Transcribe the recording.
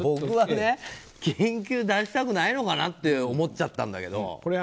僕は緊急出したくないのかなって思っちゃったんだけど。